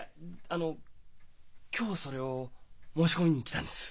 あの今日それを申し込みに来たんです。